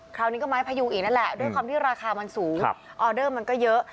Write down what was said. คราวนี้ก็ไม้พยุงอีกนั่นแหละด้วยความที่ราคามันสูงออเดอร์มันก็เยอะ